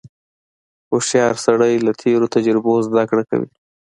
• هوښیار سړی له تېرو تجربو زدهکړه کوي.